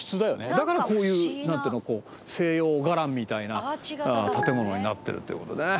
だからこういうなんていうの西洋伽藍みたいな建物になってるっていう事でね。